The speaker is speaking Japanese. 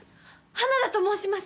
花田と申します！